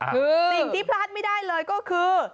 คือสิ่งที่พลาดไม่ได้เลยก็คือ